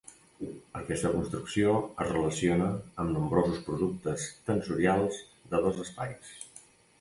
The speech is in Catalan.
Aquesta construcció es relaciona amb nombrosos productes tensorials de dos espais.